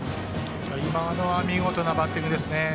今のは見事なバッティングですね。